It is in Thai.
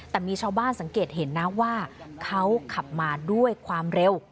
แต่มีชาวบ้านสังเกตเห็นนะว่าเขาขับมาด้วยความเร็ว